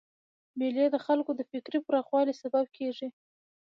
مېلې د خلکو د فکري پراخوالي سبب کېږي.